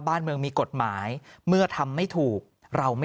อารมณ์ไม่ดีเพราะว่าอะไรฮะ